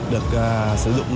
được sử dụng